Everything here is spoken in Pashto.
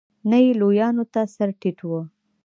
نه یې لویانو ته سر ټيټ و.